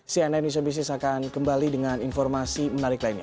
cnn indonesia business akan kembali dengan informasi menarik lainnya